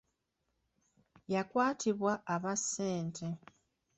Yakwatibwa abba ssente.